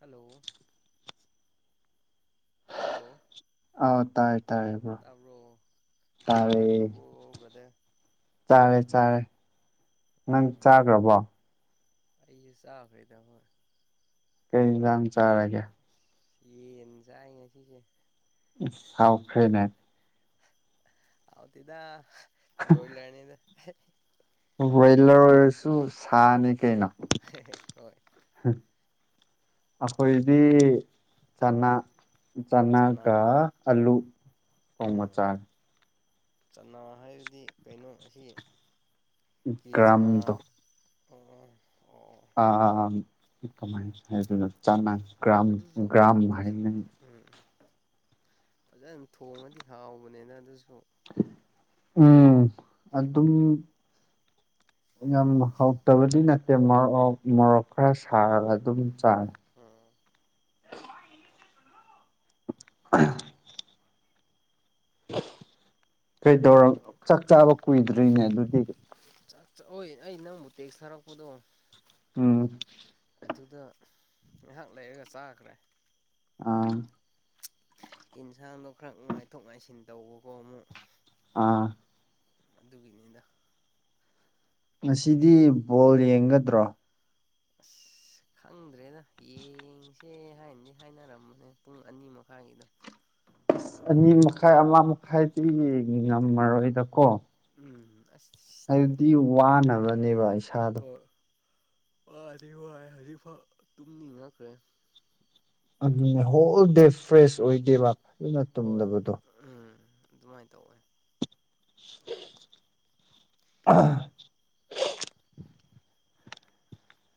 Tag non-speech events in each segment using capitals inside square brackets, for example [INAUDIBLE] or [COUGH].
Hello hello ꯑꯥ ꯇꯥꯏ ꯇꯥꯕ꯭ꯔꯣ ꯆꯥꯛ ꯇꯥꯔꯦ ꯆꯥꯈ꯭ꯔꯕꯣ ꯕꯔ꯭ꯗꯔ ꯆꯥꯔꯦ ꯆꯥꯔꯦ ꯅꯪ ꯆꯥꯒꯔ꯭ꯕꯣ ꯑꯩꯖꯨ ꯆꯥꯈ꯭ꯔꯦꯗ ꯍꯣꯏ ꯀꯩ ꯏꯟꯖꯥꯡ ꯆꯥꯔꯒꯦ ꯌꯦꯟ ꯆꯥꯏ ꯉꯁꯤꯁꯦ ꯎꯝꯍ ꯍꯥꯎꯈꯔ꯭ꯦꯅꯦ ꯍꯥꯎꯇꯦꯗꯥ ꯕ꯭ꯔꯣꯏꯂꯔꯅꯦꯗꯥ ꯕꯣꯏꯂꯔ ꯑꯣꯏꯔꯁꯨ ꯁꯥꯅꯦ ꯀꯩꯅꯣ ꯍꯣꯏ ꯑꯈꯣꯏꯗꯤ ꯆꯅꯥ ꯆꯅꯥꯒ ꯑꯂꯨ ꯊꯣꯡꯕ ꯑꯣ ꯆꯥꯔꯦ ꯆꯅꯥ ꯍꯥꯏꯕꯗꯤ ꯀꯩꯅꯣ ꯑꯁꯤ ꯀꯤꯔꯤ ꯆꯅꯥ ꯒ꯭ꯔꯥꯝꯗꯣ ꯑꯣ ꯑꯣ ꯑ ꯑ ꯑ ꯑꯩ ꯀꯃꯥꯏꯟ ꯍꯥꯏꯗꯣꯏꯅꯣ ꯆꯅꯥ ꯒ꯭ꯔꯥꯝ ꯑꯗꯨꯁꯨ ꯒ꯭ꯔꯥꯝ ꯐꯖ ꯍꯥꯏꯅ ꯎꯝ ꯐꯖꯟ ꯊꯣꯡꯉꯗꯤ ꯍꯥꯎꯕꯅꯦꯗꯥ ꯑꯗꯨꯁꯨ ꯎꯝ ꯑꯗꯨꯝ ꯌꯥꯝ ꯍꯧꯇꯕꯗꯤ ꯅꯠꯇꯦ ꯃꯣꯔꯣꯛ ꯃꯣꯔꯣꯛ ꯈꯔ ꯁꯥꯔꯒ ꯑꯗꯨꯝ ꯆꯥꯔꯦ ꯎꯝ [INAUDIBLE] ꯀꯩꯗꯧꯔ ꯎꯝ ꯆꯥꯛ ꯆꯥꯕ ꯀꯨꯏꯗ꯭ꯔꯤꯅꯦ ꯑꯗꯨꯗꯤ ꯆꯥꯛ ꯆ ꯑꯣꯏ ꯑꯩ ꯅꯪꯕꯨ ꯇꯦꯛꯁ ꯊꯥꯔꯛꯄꯗꯣ ꯎꯝ ꯑꯗꯨꯗ ꯉꯥꯏꯍꯥꯛ ꯂꯩꯔꯒ ꯆꯥꯈ꯭ꯔꯦ ꯑꯥ ꯏꯟꯁꯥꯡꯗꯣ ꯈꯔ ꯉꯥꯏꯊꯣꯛ ꯉꯥꯏꯁꯤꯟ ꯇꯧꯕꯀꯣ ꯑꯃꯨꯛ ꯑꯥ ꯑꯗꯨꯒꯤꯅꯤꯗꯥ ꯉꯁꯤꯗꯤ ꯕꯣꯜ ꯌꯦꯡꯒꯗ꯭ꯔꯣ ꯑꯁ ꯈꯪꯗ꯭ꯔꯦꯗ ꯌꯦꯡꯁꯦ ꯍꯥꯏꯅꯗꯤ ꯍꯥꯏꯅꯔꯝꯕꯅꯦ ꯄꯨꯡ ꯑꯅꯤ ꯃꯈꯥꯏꯒꯤꯗꯣ ꯑꯅꯤ ꯃꯈꯥꯏ ꯑꯃ ꯃꯈꯥꯏꯗꯤ ꯉꯝꯃꯔꯣꯏꯗꯀꯣ ꯎꯝ ꯑꯁ ꯗꯨꯗꯤ ꯋꯥꯅꯕꯅꯦꯕ ꯏꯁꯥ ꯋꯥꯗꯤ ꯋꯥꯥꯏ ꯍꯧꯖꯤꯛꯐꯧ ꯇꯨꯝꯅꯤꯡꯉꯛꯈ꯭ꯔꯦ ꯑꯗꯨꯅꯦ ꯍꯣꯜ ꯗꯦ ꯐ꯭ꯔꯦꯁ ꯑꯣꯏꯗꯦꯕ ꯐꯖꯅ ꯍꯣꯏ ꯇꯨꯝꯗꯕꯗꯣ ꯎꯝ ꯑꯗꯨꯃꯥꯏꯟ ꯇꯧꯎꯟ [UNINTELLIGIBLE]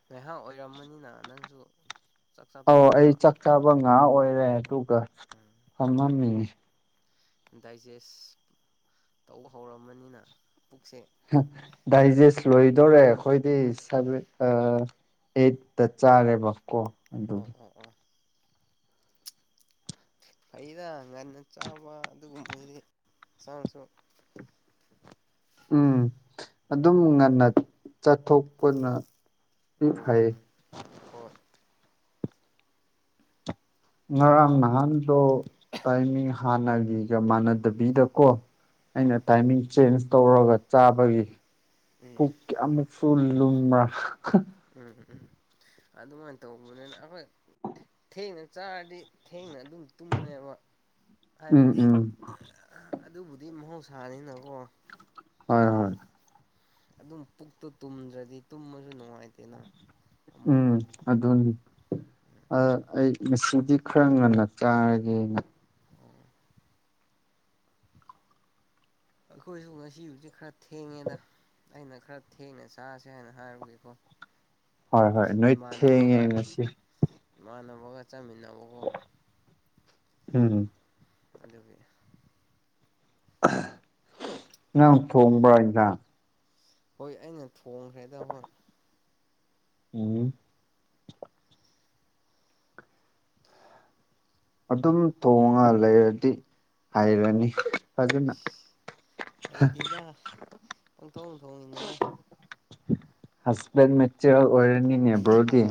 ꯉꯥꯏꯍꯥꯛ ꯑꯣꯏꯔꯝꯃꯅꯤꯅ ꯅꯪꯁꯨ ꯆꯥꯛ ꯆꯥ ꯑꯧ ꯑꯩ ꯇꯣꯛꯄ ꯆꯥꯛ ꯆꯥꯕ ꯉꯥꯥꯛ ꯑꯣꯏꯔꯦ ꯑꯗꯨꯒ ꯎꯝ ꯐꯝꯃꯝꯃꯤꯅꯤ ꯗꯥꯏꯖꯦꯁ ꯇꯧ ꯍꯧꯔꯝꯃꯅꯤꯅ ꯄꯨꯛꯁꯦ꯫ ꯍꯨꯝ ꯗꯥꯏꯖꯦꯁ ꯂꯣꯏꯗꯣꯔꯦ ꯈꯣꯏꯗꯤ ꯁꯥꯕꯦ ꯑꯩꯠꯇ ꯆꯥꯔꯦꯕꯀꯣ ꯑꯣꯥ ꯑꯗꯨꯒꯤ ꯑꯣꯥ ꯑꯣꯥ꯫ [UNINTELLIGIBLE] ꯐꯩꯗ ꯉꯟꯅ ꯆꯥꯕ ꯑꯗꯨꯒꯨꯝꯕ [UNINTELLIGIBLE] ꯆꯥꯡꯁꯨ ꯎꯝ ꯑꯗꯨꯝ ꯉꯟꯅ ꯆꯠꯊꯣꯛꯄꯅ꯫ ꯎꯝ ꯍꯩ ꯍꯣꯏ ꯉꯔꯥꯡ ꯅꯍꯥꯟꯗꯣ ꯇꯥꯏꯃꯤꯡ ꯍꯥꯟꯅꯒꯤꯒ ꯃꯥꯟꯅꯗꯕꯤꯗꯀꯣ꯫ ꯑꯩꯅ ꯑꯣ ꯇꯥꯏꯃꯤꯡ ꯆꯦꯟꯖ ꯇꯧꯔꯒ ꯆꯥꯕꯒꯤ꯫ ꯎꯝ ꯄꯨꯛꯀꯤ ꯑꯃꯨꯛꯁꯨ ꯂꯨꯝꯕ꯭ꯔꯥ꯫ ꯎꯝ ꯎꯝ꯫ ꯑꯗꯨꯃꯥꯏꯅ ꯇꯧꯕꯅꯤꯅ ꯑꯍꯣꯏ꯫ ꯊꯦꯡꯅ ꯆꯥꯔꯗꯤ ꯊꯦꯡꯅ ꯑꯗꯨꯝ ꯇꯨꯝꯃꯦꯕ ꯎꯝ ꯍꯥꯏꯕꯗꯤ ꯎꯝ ꯑꯗꯨꯕꯨꯗꯤ ꯃꯍꯧꯁꯥꯅꯤꯅꯀꯣ ꯍꯣꯏ ꯍꯣꯏ꯫ ꯑꯗꯨꯝ ꯄꯨꯛꯇꯣ ꯇꯨꯝꯗ꯭ꯔꯗꯤ ꯇꯨꯝꯃꯁꯨ ꯅꯨꯡꯉꯥꯏꯇꯦꯅ꯫ ꯑꯃꯨꯛ ꯎꯝ꯫ ꯑꯗꯨꯅꯤ ꯑꯥ ꯑꯩ ꯉꯁꯤꯗꯤ ꯈ꯭ꯔꯥ ꯉꯟꯅ ꯇꯔꯒꯦ ꯑꯩꯈꯣꯏꯖꯨ ꯉꯁꯤꯕꯨꯗꯤ ꯈꯔ ꯊꯦꯡꯉꯦꯗ ꯑꯩꯅ ꯈꯔ ꯊꯦꯡꯅ ꯆꯥꯁꯦ ꯍꯥꯏꯅ ꯍꯥꯏꯔꯕꯒꯤꯀꯣ꯫ ꯍꯣꯏ ꯍꯣꯏ ꯅꯣꯏ ꯊꯦꯡꯉꯦ ꯉꯁꯤ꯫ ꯏꯃꯥꯟꯅꯕꯒ ꯆꯃꯤꯟꯅꯕꯒꯣ꯫ ꯎꯝ ꯑꯗꯨꯒꯤ꯫ ꯅꯪ ꯊꯣꯡꯕ꯭ꯔꯥ ꯏꯟꯁꯥꯡ꯫ ꯍꯣꯏ ꯑꯩꯅ ꯊꯣꯡꯈ꯭ꯔꯦꯗ ꯍꯣꯏ꯫ ꯎꯝ꯫ ꯑꯗꯨꯝ ꯊꯣꯡꯉ ꯂꯩꯔꯗꯤ ꯎꯝ ꯍꯩꯔꯅꯤ ꯐꯖꯅ꯫ ꯑꯁ ꯍꯩꯇꯦꯗ ꯄꯪꯊꯣꯛ ꯊꯣꯡꯉꯤꯅꯦꯗ꯫ ꯍꯥꯁꯕꯦꯟ ꯃꯦꯇꯔꯦꯜ ꯑꯣꯏꯔꯅꯤꯅꯦ ꯕ꯭ꯔꯣꯗꯤ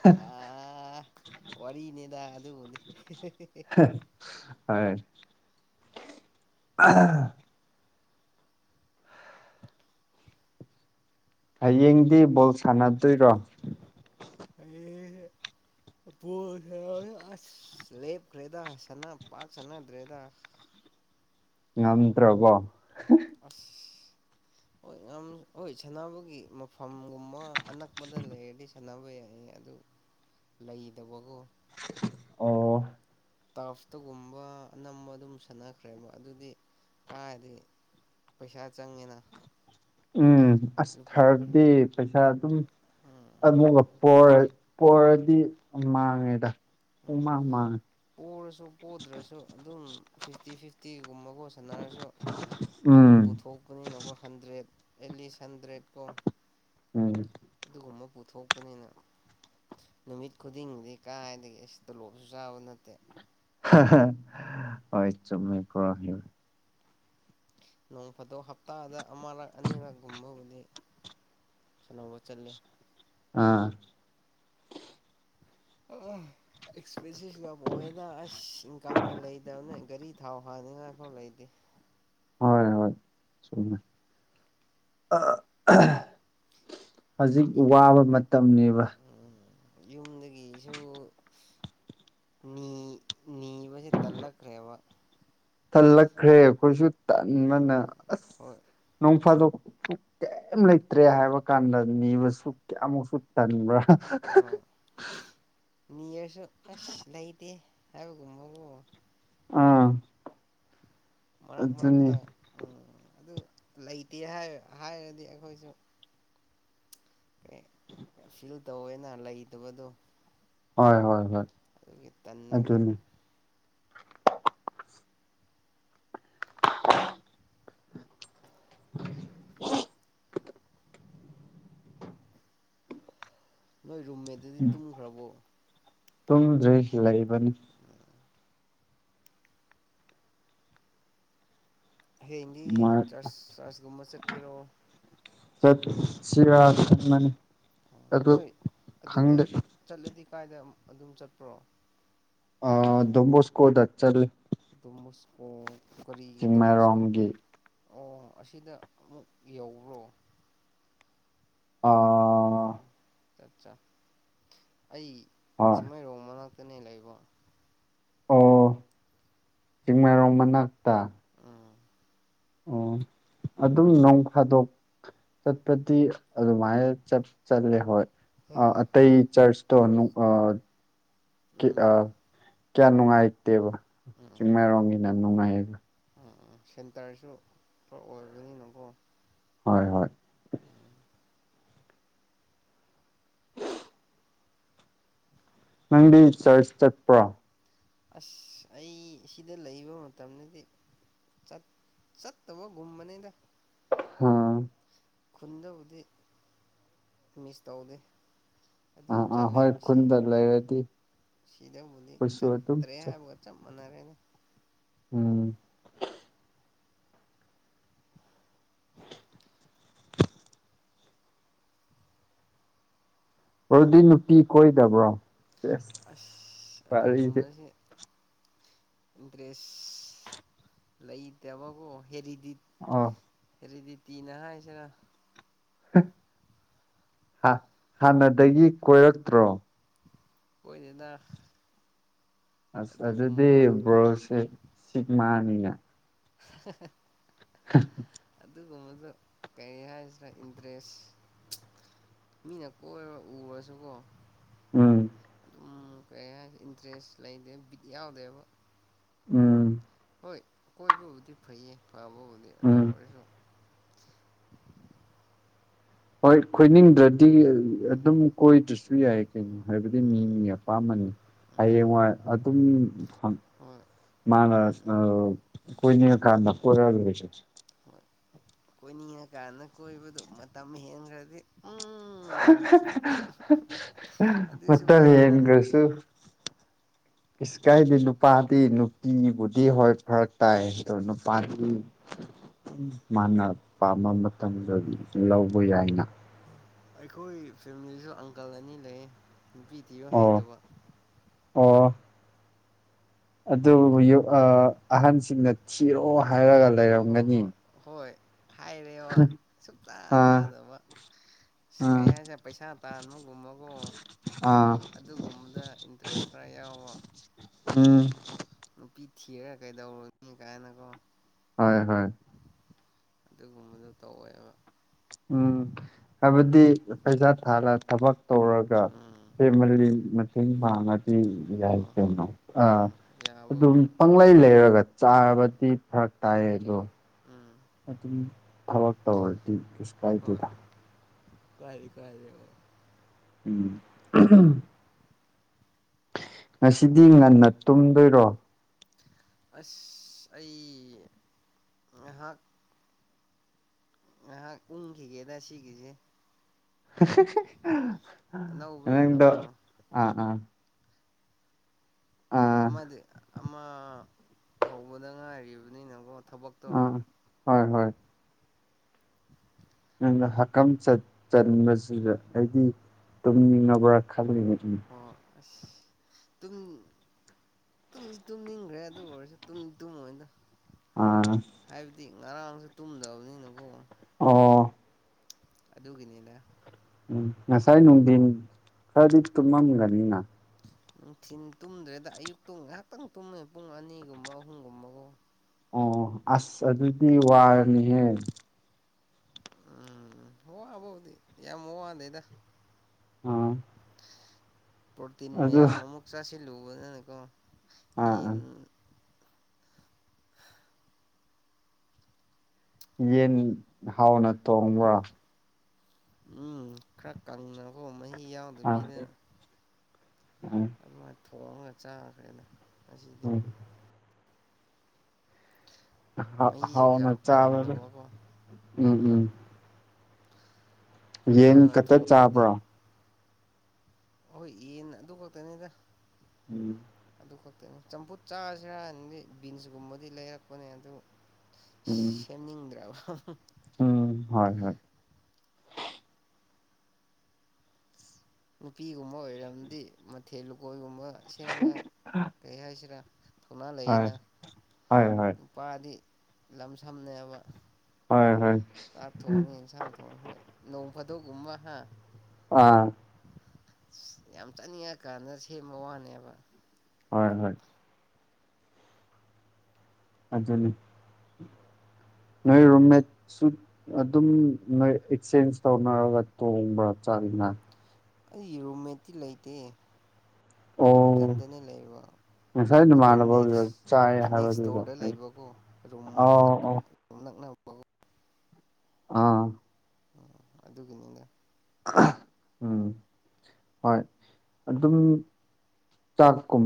ꯍꯦ ꯑ ꯋꯥꯔꯤꯅꯦꯗ ꯑꯗꯨꯕꯨꯗꯤ ꯍꯥ ꯍꯣꯢ ꯑꯥ꯫ ꯍꯌꯦꯡꯗꯤ ꯕꯣꯜ ꯁꯥꯟꯅꯗꯣꯏꯔꯣ꯫ ꯑꯩ ꯕꯣꯜꯁꯟꯅꯕꯩ ꯑꯁ ꯂꯦꯞꯈ꯭ꯔꯦꯗ ꯁꯅ ꯄꯥꯛ ꯁꯅꯗ꯭ꯔꯦꯗ꯫ ꯉꯝꯗ꯭ꯔꯕꯣ [UNINTELLIGIBLE] ꯑꯁ ꯍꯣꯏ ꯉꯥꯝ ꯍꯣꯏ ꯁꯥꯟꯅꯕꯒꯤ꯫ ꯐꯣꯟꯒꯨꯝꯃ ꯑꯅꯛꯄꯗ ꯂꯩꯔꯗꯤ ꯁꯥꯟꯅꯕ ꯌꯥꯏꯌꯦ ꯑꯗꯨ ꯂꯩꯗꯕꯒꯣ ꯑꯣ ꯇꯐꯇꯒꯨꯝꯕ ꯑꯅꯝꯕ ꯑꯗꯨꯝ ꯁꯥꯟꯅꯈ꯭ꯔꯦꯕ ꯑꯗꯨꯗꯤ ꯀꯥꯏꯗꯒꯤ ꯄꯩꯁꯥ ꯆꯪꯉꯦꯅ ꯎꯝ ꯑꯁ ꯂꯨꯄꯥ ꯊꯥꯔꯗꯤ ꯄꯩꯁꯥ ꯑꯗꯨꯝ ꯑꯗꯨꯒ ꯄꯣꯔ ꯄꯣꯔꯗꯤ ꯃꯥꯡꯉꯦꯗ ꯎꯝ ꯄꯨꯡꯃꯥꯡ ꯃꯥꯡꯉꯦ ꯄꯣꯔꯁꯨ ꯄꯣꯗ꯭ꯔꯁꯨ ꯑꯗꯨꯝ ꯐꯤꯐꯇꯤ ꯐꯤꯐꯇꯤꯒꯨꯝꯕꯒꯣ ꯁꯥꯟꯅꯔꯁꯨ ꯑꯗꯨꯝ ꯎꯝ ꯄꯨꯊꯣꯛ ꯄꯅꯤꯅꯒꯣ ꯍꯟꯗ꯭ꯔꯦꯠ ꯑꯦꯠꯂꯤꯁ ꯍꯟꯗ꯭ꯔꯦꯠ ꯀꯣ ꯎꯝ ꯑꯗꯨꯒꯨꯝꯕ ꯄꯨꯊꯣꯛꯄꯅꯤꯅ ꯅꯨꯃꯤꯠ ꯈꯨꯗꯤꯡꯒꯤꯗꯤ ꯀꯔꯥꯏꯗꯒꯤ ꯑꯁ ꯇꯣꯂꯣꯞꯁꯨ ꯆꯥꯕ ꯅꯠꯇꯦ ꯍꯥꯍꯥ ꯍꯣꯏ ꯆꯨꯝꯃꯦꯀꯣ ꯗꯨ ꯅꯣꯡꯐꯥꯗꯣꯛ ꯍꯞꯇꯥꯗ ꯑꯃꯔꯛ ꯑꯅꯤꯔꯛ ꯒꯨꯝꯕꯕꯨꯗꯤ ꯁꯥꯟꯅꯕ ꯆꯠꯂꯤ ꯑꯥ ꯑꯥ ꯑꯦꯛꯁꯄꯦꯟꯁꯤꯐ ꯌꯥꯝ ꯑꯣꯏꯌꯦꯗ ꯑꯁ ꯏꯪ ꯀꯝꯅ ꯂꯩꯇꯕꯅꯦ ꯒꯔꯤ ꯊꯥꯎ ꯍꯥꯟꯅꯤꯡꯉꯥꯏꯐꯥꯎ ꯂꯩꯇꯦ ꯍꯣꯏ ꯍꯣꯏ ꯆꯨꯝꯃꯦ ꯑꯥ [UNINTELLIGIBLE] ꯍꯧꯖꯤꯛ ꯋꯥꯕ ꯃꯇꯝꯅꯤꯕ ꯎꯝ ꯌꯨꯝꯗꯒꯤꯁꯨ ꯅꯤ ꯅꯤꯕꯁꯤ ꯇꯂꯛꯈ꯭ꯔꯦꯕ ꯇꯜꯂꯛꯈ꯭ꯔꯦ ꯑꯈꯣꯏꯁꯨ ꯎꯝ ꯇꯟꯕꯅ ꯑꯁ ꯍꯣꯏ ꯅꯣꯡ ꯐꯥꯗꯣꯛ ꯀꯦꯝ ꯂꯩꯇ꯭ꯔꯦ ꯍꯥꯏꯕ ꯀꯥꯟꯗ ꯅꯤꯕꯁꯨ ꯀ꯭ꯌꯥꯃꯨꯛꯁꯨ ꯇꯟꯕ꯭ꯔꯥ ꯑꯣ ꯅꯤꯔꯁꯨ ꯑꯁ ꯂꯩꯇꯦ ꯍꯥꯏꯕꯒꯨꯝꯕꯒꯣ ꯑꯥ ꯃꯔꯛ ꯑꯗꯨꯅꯤ ꯃꯔꯛꯇ ꯎꯝ ꯑꯗꯨ ꯂꯩꯇꯦ ꯍꯥꯏꯔ ꯍꯥꯏꯔꯗꯤ ꯑꯈꯣꯏꯁꯨ ꯀꯩ ꯐꯤꯜ ꯇꯧꯋꯦꯅ ꯂꯩꯇꯕꯗꯨ ꯍꯣꯏ ꯍꯣꯏ ꯍꯣꯏ ꯑꯗꯨꯒꯤ ꯇꯟꯕꯒꯤ ꯑꯗꯨꯅꯤ [INAUDIBLE] ꯅꯣꯏ ꯔꯨꯝꯃꯦꯠ ꯗꯨꯗꯤ ꯇꯨꯝꯈ꯭ꯔꯕꯣ ꯇꯨꯝꯗ꯭ꯔꯤ ꯂꯩꯕꯅꯤ ꯎꯝ ꯍꯌꯦꯡꯗꯤ ꯃꯥ ꯆꯔꯁ ꯆꯔꯁꯒꯨꯝꯕ ꯆꯠꯀꯦꯔꯣ ꯆꯠ ꯁꯤꯔ ꯈꯟꯕꯅꯤ ꯑꯣ ꯑꯗꯨ ꯅꯣꯏ ꯑꯗꯨꯗ ꯈꯪꯗꯦ ꯆꯠꯂꯗꯤ ꯀꯥꯏꯗ ꯑꯝ ꯑꯗꯨꯝ ꯆꯠꯄ꯭ꯔꯣ ꯑ ꯗꯣꯝꯕꯣꯁ ꯀꯣꯗ ꯆꯠꯂꯤ ꯗꯣꯃꯣꯁꯀꯣ ꯀꯔꯤꯒꯤ ꯗꯣꯃꯣꯁꯀꯣ ꯆꯤꯡꯃꯩꯔꯣꯡꯒꯤ ꯑꯣ ꯑꯁꯤꯗ ꯑꯃꯨꯛ ꯌꯧꯕ꯭ꯔꯣ ꯑ ꯑꯥ ꯑꯆꯠꯆꯥ ꯑꯩ ꯍꯣꯏ ꯆꯤꯡꯃꯩꯔꯣꯡ ꯃꯅꯥꯛꯇꯅꯦ ꯂꯩꯕ ꯑꯣ ꯆꯤꯡꯃꯩꯔꯣꯡ ꯃꯅꯥꯛꯇ ꯎꯝ ꯑꯣ ꯑꯗꯨꯝ ꯅꯣꯡ ꯐꯥꯗꯣꯛ ꯆꯠꯄꯗꯤ ꯑꯗꯨꯃꯥꯏꯅ ꯆꯠ ꯆꯠꯂꯦ ꯍꯣꯏ ꯑ ꯎꯝ ꯑꯇꯩ ꯆꯔꯆ ꯇꯣ ꯅꯨꯡ ꯀꯤ ꯎꯝ ꯀꯌꯥ ꯅꯨꯡꯉꯥꯏꯇꯦꯕ ꯆꯤꯡꯃꯩꯔꯣꯡꯒꯤꯅ ꯅꯨꯡꯉꯥꯏꯌꯦꯕ ꯎꯝ ꯎꯝ ꯁꯦꯟꯇꯔꯁꯨ ꯈꯔ ꯑꯣꯏꯕꯅꯤꯅꯀꯣ ꯍꯣꯏ ꯍꯣꯏ ꯎꯝ ꯅꯪꯗꯤ ꯆꯔꯆ ꯆꯠꯄ꯭ꯔꯣ ꯑꯁ ꯑꯩ ꯁꯤꯗ ꯂꯩꯕ ꯃꯇꯝꯗꯗꯤ ꯆꯠ ꯆꯠꯇꯕꯒꯨꯝꯕꯅꯦꯗ ꯑꯝ ꯈꯨꯟꯗꯕꯨꯗꯤ ꯃꯤꯁ ꯇꯧꯗꯦ ꯑꯗꯨꯝ ꯑꯥ ꯑꯥ ꯍꯣꯏ ꯆꯠꯂꯦꯕ ꯑꯁꯤ ꯈꯨꯟꯗ ꯂꯩꯔꯗꯤ ꯁꯤꯗꯕꯨꯗꯤ ꯑꯩꯈꯣꯏꯁꯨ ꯑꯗꯨꯝ ꯆꯠꯇ꯭ꯔꯦ ꯆꯠ ꯍꯥꯏꯕ ꯆꯥꯞ ꯃꯥꯟꯅꯔꯦꯅꯦ ꯎꯝ ꯑꯗꯨꯗꯤ ꯅꯨꯄꯤ ꯀꯣꯏꯗꯕ꯭ꯔꯣ ꯁꯦꯁ ꯢꯁ ꯋꯥꯔꯤꯗꯤ ꯑꯗꯨꯒꯨꯝꯕꯁꯦ ꯗꯔꯦꯁ ꯂꯩꯇꯦꯕꯒꯣ ꯍꯦꯔꯤꯗꯤ ꯑꯣ ꯍꯦꯔꯤꯗꯤ ꯇꯤꯅ ꯍꯥꯏꯁꯤꯔ ꯍꯥꯟꯅꯗꯒꯤ ꯀꯣꯏꯔꯛꯇ꯭ꯔꯣ ꯀꯣꯢꯗꯦꯗ ꯑꯁ ꯑꯗꯨꯗꯤ ꯕ꯭ꯔꯣꯁꯦ ꯁꯤꯛ ꯃꯥꯅꯤꯅꯦ ꯑꯗꯨ ꯑꯗꯨꯒꯨꯝꯕꯗꯣ ꯀꯔꯤ ꯍꯥꯏꯁꯤꯔ ꯏꯟꯇꯔꯦꯁ ꯃꯤꯅ ꯀꯣꯏꯔ ꯎꯔꯁꯨꯀꯣ ꯎꯝ ꯑꯗꯨꯝ ꯀꯩ ꯍꯥꯏꯁꯤꯔ ꯏꯟꯇꯔꯦꯁ ꯂꯩꯗꯦ ꯕꯤꯠ ꯌꯥꯎꯗꯦꯕ ꯎꯝ ꯍꯣꯏ ꯀꯣꯏꯕꯕꯨꯗꯤ ꯐꯩꯌꯦ ꯐꯕꯕꯨꯗꯤ ꯑꯗꯨ ꯎꯝ ꯑꯣꯏꯔꯁꯨ ꯍꯣꯏ ꯀꯣꯏꯅꯤꯡꯗ꯭ꯔꯗꯤ ꯎꯝ ꯑꯗꯨꯝ ꯀꯣꯏꯗ꯭ꯔꯁꯨ ꯌꯥꯏ ꯀꯩꯅꯣ ꯍꯥꯏꯕꯗꯤ ꯎꯝ ꯃꯤꯃꯤꯒꯤ ꯑꯄꯥꯝꯕꯅꯤ ꯎꯝ ꯍꯌꯦꯡꯋꯥꯏ ꯑꯗꯨꯝ ꯍꯣꯏ ꯃꯥꯅ ꯎꯝ ꯑ ꯀꯣꯏꯅꯤꯡꯂꯀꯥꯟꯗ ꯀꯣꯢꯔꯒ ꯍꯣꯏ ꯀꯣꯏꯅꯤꯡꯉꯀꯥꯟꯗ ꯀꯣꯏꯕꯗꯨ ꯃꯇꯝ ꯍꯦꯟꯈ꯭ꯔꯗꯤ ꯎꯝ ꯑꯗꯨꯁꯨ ꯃꯇꯝ ꯕꯦꯔꯥꯅꯦ ꯍꯦꯟꯈ꯭ꯔꯁꯨ ꯢꯁ ꯀꯥꯏꯗꯤ ꯅꯨꯄꯥꯗꯤ ꯅꯨꯄꯤꯕꯨꯗꯤ ꯍꯣꯏ ꯐꯔꯛ ꯇꯥꯏ ꯑꯗꯣ ꯅꯨꯄꯥꯗꯤ ꯃꯥꯅ ꯄꯥꯝꯕ ꯃꯇꯝꯗ ꯂꯧꯕ ꯌꯥꯏꯅ ꯑꯩꯈꯣꯏ ꯐꯦꯃꯤꯂꯤꯁꯨ ꯑꯪꯀꯜ ꯑꯅꯤ ꯂꯩ ꯅꯨꯄꯤ ꯊꯤꯌꯨ ꯑꯣ ꯍꯩꯇꯕ ꯑꯣ ꯑꯗꯨꯕꯨ ꯑꯍꯟꯁꯤꯡꯅ ꯊꯤꯔꯣ ꯍꯥꯏꯔꯒ ꯍꯣꯏ ꯍꯣꯏ ꯂꯩꯔꯝꯒꯅꯤ ꯍꯣꯏ ꯍꯣꯏ ꯍꯥꯏꯔꯦꯕ ꯁꯨꯡꯇꯥꯥ ꯑꯥ ꯇꯥꯗꯕ ꯀꯩ ꯑꯥ ꯍꯥꯏꯖ‌ꯦ ꯄꯩꯁꯥ ꯇꯥꯟꯕꯒꯨꯝꯃꯒꯣ ꯑꯥ ꯑꯗꯨꯒꯨꯝꯕꯗ ꯏꯟꯇꯔꯦꯁ ꯈꯔ ꯌꯥꯎꯕ ꯎꯝ ꯅꯨꯄꯤ ꯊꯤꯔꯒ ꯀꯩꯗꯧꯔꯨꯅꯤ ꯀꯥꯏꯅꯀꯣ ꯍꯣꯏ ꯍꯣꯏ ꯑꯗꯨꯒꯨꯝꯕꯗ‌ꯣ ꯇꯧꯋꯦꯕ ꯎꯝ ꯍꯥꯏꯕꯗꯤ ꯄꯩꯁꯥ ꯊꯥꯔ ꯊꯕꯛ ꯇꯧꯔꯒ ꯎꯝ ꯐꯦꯃꯂꯤ ꯃꯇꯦꯡ ꯃꯥꯡꯉꯗꯤ ꯌꯥꯏ ꯍꯣꯏ ꯍꯣꯏ ꯀꯩꯅꯣ ꯑꯥ ꯎꯝ ꯑꯗꯨꯝ ꯌꯥꯕꯕꯨꯗꯤ ꯄꯪꯂꯩ ꯂꯩꯔꯒ ꯆꯥꯔꯕꯗꯤ ꯐ ꯇꯥꯏꯌꯦꯕꯔ‌ꯣ ꯎꯝ ꯑꯗꯨꯝ ꯊꯕꯛ ꯇꯧꯔꯗꯤ ꯀꯩꯁꯨ ꯀꯥꯏꯗꯦꯗ ꯀꯥꯏꯔꯤ ꯀꯥꯏꯔꯤ ꯑ‌ꯣ ꯎꯝ ꯉꯁꯤꯗꯤ ꯉꯟꯅ ꯇꯨꯝꯗꯣꯏꯔꯣ ꯑꯁ ꯑꯩ ꯉꯥꯏꯍꯥꯛ ꯉꯥꯏꯍꯥꯛ ꯎꯪꯒꯤꯒꯦꯗ ꯁꯤꯒꯤꯖ‌ꯦ ꯅꯪꯗ‌ꯣ ꯑꯅꯧꯕꯅꯤꯅꯀꯣ ꯑꯥ ꯑꯥ ꯑꯥ ꯑꯃꯥꯗꯤ ꯑꯃꯥ ꯍꯧꯕꯗ ꯉꯥꯏꯔꯤꯕꯅꯤꯅꯒ‌ꯣꯟ ꯎꯝ ꯍꯣꯏ ꯍꯣꯏ [UNINTELLIGIBLE] ꯑꯩꯅ ꯍꯛꯀꯥꯝ ꯆꯟ ꯆꯟꯕꯁꯤꯗ ꯑꯩꯗꯤ ꯇꯨꯝꯅꯤꯡꯉꯕ꯭ꯔꯥ ꯈꯜ [UNINTELLIGIBLE] ꯑꯣ ꯑꯁ ꯇꯨꯝ ꯇꯨꯝꯗꯤ ꯇꯨꯝꯅꯤꯡꯒ꯭ꯔꯦ ꯑꯗꯨ ꯑꯣꯏꯔꯖꯨ ꯇꯨꯝ ꯇꯨꯝꯣꯏꯗ ꯑꯥꯁ ꯍꯥꯏꯕꯗꯤ ꯉꯔꯥꯡꯖꯨ ꯇꯨꯝꯗꯕꯅꯤꯅꯀꯣ ꯑꯣ ꯑꯗꯨꯒꯤꯅꯤꯗꯥ ꯎꯝ ꯉꯁꯥꯏ ꯅꯨꯡꯗꯤꯟ ꯈꯔꯗꯤ ꯇꯨꯃꯝꯒꯅꯤꯅ ꯅꯨꯡꯊꯤꯟ ꯇꯨꯝꯗ꯭ꯔꯦꯗ ꯑꯌꯨꯛꯇ‌ꯣ ꯉꯥꯏꯍꯥꯛꯇꯪ ꯇꯨꯝꯃꯦ ꯄꯨꯡ ꯑꯅꯤꯒꯨꯝꯕ ꯑꯍꯨꯝꯒꯨꯝꯕ ꯒ‌ꯣ ꯑꯣ ꯑꯁ ꯑꯗꯨꯗꯤ ꯋꯥꯔꯅꯤꯍꯦ ꯎꯝ ꯋꯥꯕꯕꯨꯗꯤ ꯌꯥꯝ ꯋꯥꯗ‌ꯦꯗꯥ ꯎꯝ ꯍꯨꯝ ꯄ꯭ꯔꯣꯇꯤꯟ ꯃꯌꯥꯝ ꯑꯃꯨꯛ ꯆꯥꯁꯤꯜꯂꯨꯕꯅ ꯀꯣ ꯑꯥ ꯑꯥ ꯌꯦꯟ [INAUDIBLE] ꯌꯦꯟ ꯍꯥꯎꯅ ꯊ‌ꯣꯡꯕ꯭ꯔꯥ ꯎꯝ ꯈꯔ ꯀꯪꯅꯀ‌ꯣ ꯃꯍꯤ ꯑꯥ ꯌꯥꯎꯗꯕꯤꯗ ꯑꯥ ꯑꯗꯨꯃꯥꯏꯟ ꯊꯣꯡꯉꯒ ꯆꯥꯈ꯭ꯔꯦꯅ ꯉꯁꯤꯗꯤ ꯎꯝ ꯍꯥꯎ ꯃꯍꯤꯖꯨ ꯀꯌꯥ ꯍꯥꯎꯅ ꯆꯥꯕꯗꯣ ꯄꯥꯝꯗꯕꯀꯣ ꯎꯝ ꯎꯝ ꯌꯦꯟ ꯏꯁꯥꯅ ꯈꯇꯥ ꯊꯣꯡꯕꯗꯤ ꯆꯥꯕ꯭ꯔ‌ꯣ ꯍꯣꯏ ꯌ‌ꯦꯟ ꯑꯗꯨ ꯈꯛꯇꯅꯤꯗ [UNINTELLIGIBLE] ꯑꯗꯨ ꯈꯛꯇꯪ ꯆꯝꯐꯨꯠ ꯆꯥꯁꯤꯔ ꯍꯥꯏꯅꯗꯤ ꯕꯤꯟꯁ ꯀꯨꯝꯕꯗꯤ ꯂꯩꯔꯛꯄꯅꯦ ꯑꯗꯨ ꯎꯝ ꯁꯦꯝꯅꯤꯡꯗ꯭ꯔꯕꯥ ꯎꯝ ꯍꯣꯏ ꯍꯣꯏ ꯅꯨꯄꯤꯒꯨꯝꯕ ꯑꯣꯏꯔꯝꯗꯤ ꯃꯊꯦꯜ ꯂꯨꯀꯣꯏꯒꯨꯝꯕ ꯁꯦꯝꯕ ꯀꯩ ꯍꯥꯏꯁꯤꯔꯥ ꯊꯧꯅꯥ ꯍꯣꯏ ꯂꯩꯌꯦꯅ ꯍꯣꯏ ꯍꯣꯏ ꯅꯨꯄꯥꯗꯤ ꯂꯝ ꯁꯝꯅꯦꯕ ꯍꯣꯏ ꯍꯣꯏ ꯆꯥꯛ ꯊꯣꯡꯉꯤ ꯌꯦꯟꯁꯥꯡ ꯊꯣꯡꯉꯤ ꯍꯣꯏ ꯅꯣꯡ ꯐꯥꯗꯣꯛꯒꯨꯝꯃ ꯍ ꯑ ꯌꯥꯝ ꯆꯥꯅꯤꯡꯉꯛꯀꯥꯟꯗ ꯁꯦꯝꯕ ꯋꯥꯅꯦꯕ ꯍꯣꯏ ꯍꯣꯏ ꯑꯗꯨꯅꯤ ꯅꯣꯏ ꯔꯨꯝꯃꯦꯠ ꯁ ꯑꯗꯨꯝ ꯅꯣꯏ ꯑꯦꯛꯆꯦꯟꯖ ꯇꯧꯅꯔꯒ ꯇꯣꯡꯕ꯭ꯔꯥ ꯆꯠꯅ ꯑꯩ ꯔꯨꯝꯃꯦꯠꯇꯤ ꯂꯩꯇꯦ ꯑꯣ ꯏꯊꯟꯗꯅꯦ ꯂꯩꯕ ꯉꯁꯥꯏ ꯑꯗꯨ ꯅꯃꯥꯟꯅꯕꯒ ꯅꯦꯛꯁ ꯆꯥꯏ ꯅꯦꯛꯁ ꯍꯥꯏꯕꯗꯨꯗꯣ ꯗꯣꯔꯗ ꯂꯩꯕꯀꯣ ꯔꯨꯝꯅ ꯑꯧ ꯑꯧ ꯑꯗꯨꯝ ꯅꯛꯅꯕ ꯑꯥ ꯎꯝ ꯑꯗꯨꯒꯤꯅꯤꯅꯦ ꯎꯝ ꯍꯣꯏ ꯑꯗꯨꯝ ꯆꯥꯛꯀꯨꯝ